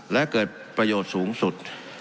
และเกิดประโยชน์สูงสุด